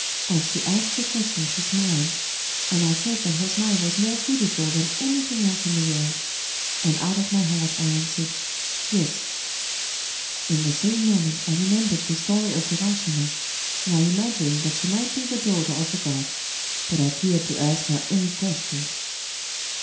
* As she asked the question she smiled; and I thought that her smile was more beautiful than anything else in the world; and out of my heart I answered, 'Yes. ...' In the same moment I remembered the story of Urashima; and I im agined that she might be the daughter of a god; but I feared to ask her any questions. •